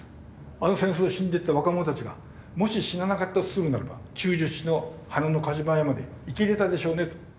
「あの戦争で死んでいった若者たちがもし死ななかったとするならば９７の花の風車まで生きれたでしょうね」と。